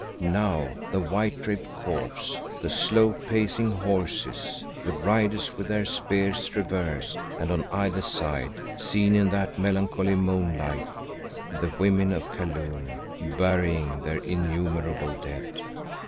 Now the white draped corpse, the slow pacing horses, the riders with their spears reversed, and on either side, seen in that melancholy moonlight, the women of Kaloon burying their innumerable dead.